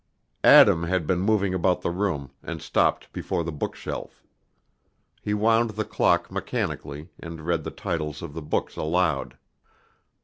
Adam had been moving about the room, and stopped before the bookshelf. He wound the clock mechanically, and read the titles of the books aloud.